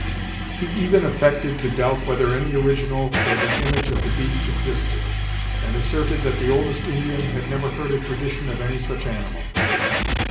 He even affected to doubt whether any original for the image of the beast existed, and asserted that the oldest Indian had never heard a tradition of any such animal.